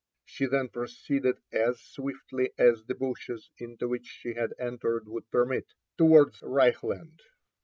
She then pro ceeded as swiftly as the bushes into which she bad entered would EBrmit, towards Reichland.